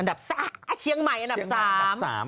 อันดับสามเชียงใหม่อันดับสาม